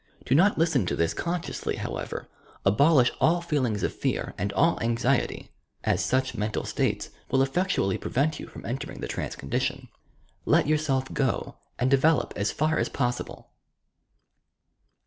Do not listen to this consciously, however; abolish all feelings of fear and all anxiety, as such mental states will YOUR PSYCHIC POWERS effectually prevent you from enlering the trance con dition. "Let yourself go" and develop as far as possible.